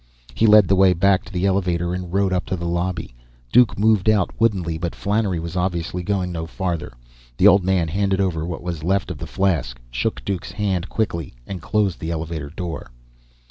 He led the way back to the elevator, and rode up to the lobby. Duke moved out woodenly, but Flannery was obviously going no farther. The old man handed over what was left of the flask, shook Duke's hand quickly, and closed the elevator door.